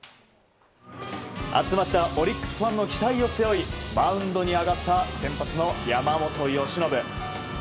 集まったオリックスファンの期待を背負いマウンドに上がった先発の山本由伸。